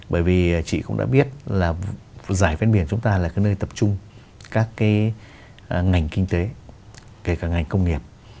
bởi vì chị cũng đã biết là giải ven biển chúng ta là cái nơi tập trung các cái ngành kinh tế kể cả ngành công nghiệp